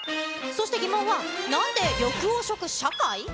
そして疑問は、なんで緑黄色社会？